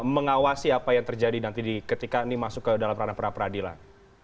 mengawasi apa yang terjadi nanti ketika ini masuk ke dalam ranah pra peradilan